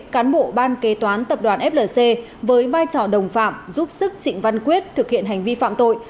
cán bộ ban kế toán tập đoàn flc với vai trò đồng phạm giúp sức trịnh văn quyết thực hiện hành vi phạm tội